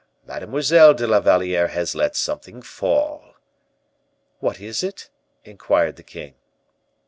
Mademoiselle de la Valliere has let something fall." "What is it?" inquired the king.